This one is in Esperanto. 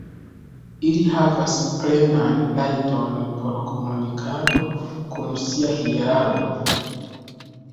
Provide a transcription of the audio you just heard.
Ili havas plenan rajton por komunikado kun sia hierarko.